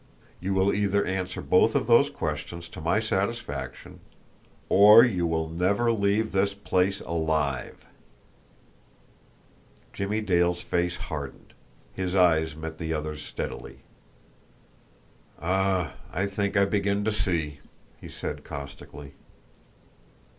You will either answer both of those questions to my satisfaction, OR YOU WILL NEVER LEAVE THIS PLACE ALIVE." Jimmie Dale's face hardened. His eyes met the other's steadily. "Ah, I think I begin to see!" he said caustically.